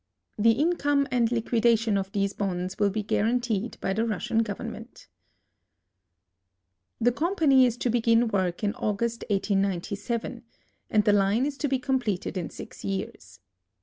The income and liquidation of these bonds will l)e guaranteed by the Russian government. The company is to begin work in August, 185)7, and the line is to be completed in six years.